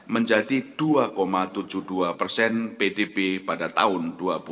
menjadi dua tujuh puluh dua persen pdb pada tahun dua ribu dua puluh